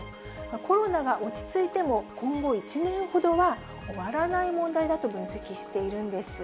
コロナが落ち着いても、今後１年ほどは終わらない問題だと分析しているんです。